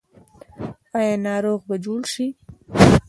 آیا ناروغ به جوړ شي؟